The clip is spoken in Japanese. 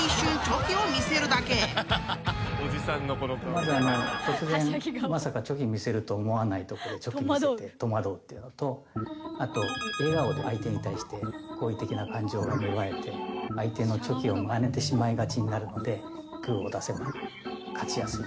まずあの突然まさかチョキ見せると思わないとこでチョキ見せて戸惑うっていうのとあと笑顔で相手に対して好意的な感情が芽生えて相手のチョキをまねてしまいがちになるので。